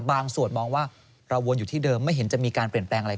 บางส่วนมองว่าเราวนอยู่ที่เดิมไม่เห็นจะมีการเปลี่ยนแปลงอะไร